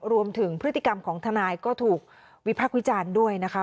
รวมถึงพฤติกรรมของทนายก็ถูกวิพักษ์วิจารณ์ด้วยนะคะ